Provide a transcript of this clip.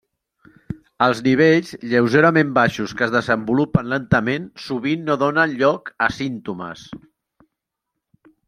Els nivells lleugerament baixos que es desenvolupen lentament sovint no donen lloc a símptomes.